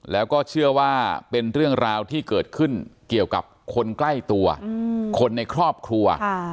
แล้วก็เชื่อว่าเป็นเรื่องราวที่เกิดขึ้นเกี่ยวกับคนใกล้ตัวคนในครอบครัว